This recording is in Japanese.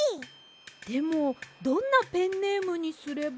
でもどんなペンネームにすれば。